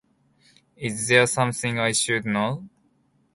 Is There Something I Should Know?